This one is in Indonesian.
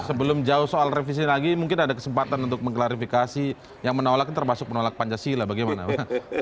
sebelum jauh soal revisi lagi mungkin ada kesempatan untuk mengklarifikasi yang menolak itu termasuk menolak pancasila bagaimana pak